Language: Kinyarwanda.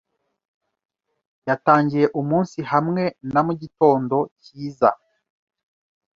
Yatangiye umunsi hamwe na mugitondo cyiza.